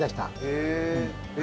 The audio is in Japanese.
へえ！